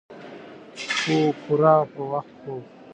پوره او پۀ وخت خوب